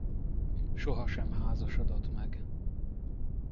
Sohasem házasodott meg.